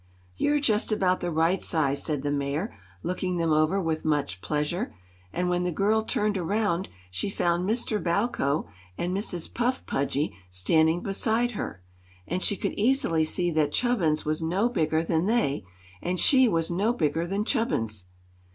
"You're just about the right size," said the Mayor, looking them over with much pleasure, and when the girl turned around she found Mr. Bowko and Mrs. Puff Pudgy standing beside her, and she could easily see that Chubbins was no bigger than they, and she was no bigger than Chubbins.